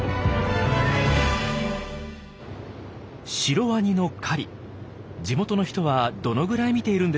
シロワニの狩り地元の人はどのぐらい見ているんでしょうか？